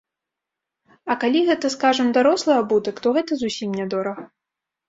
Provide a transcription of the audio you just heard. А калі гэта, скажам, дарослы абутак, то гэта зусім нядорага.